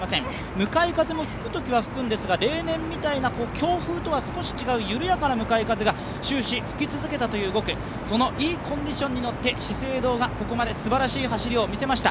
向かい風も吹くときは吹くんですが例年みたいな強風とは少し違う、緩やかな向かい風が終始吹き続けたという５区、このいいコンディションの中で資生堂がここまですばらしい走りを見せました。